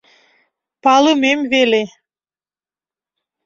Палымем веле...